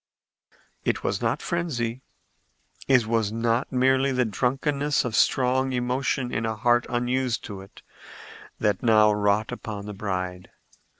It was not frenzy, it was not merely the drunkenness of strong emotion in a heart unused to it, that now wrought upon the bride.